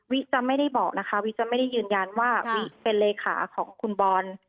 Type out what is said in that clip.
จะไม่ได้บอกนะคะวิจะไม่ได้ยืนยันว่าวิเป็นเลขาของคุณบอล